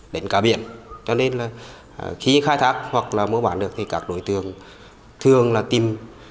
đánh cá biển cho nên là khi khai thác hoặc là mua bán được thì các nội tường thường là tìm